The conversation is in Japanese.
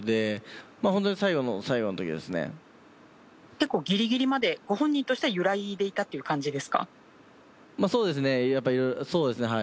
結構ギリギリまでご本人としては揺らいでいたという感じですか？